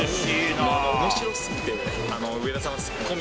おもしろすぎて、上田さんのツッコミ。